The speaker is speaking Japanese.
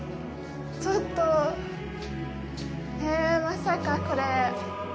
ちょっと、まさか、これ。